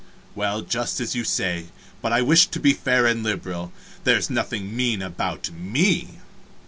Well, just as you say, but I wished to be fair and liberal there's nothing mean about me.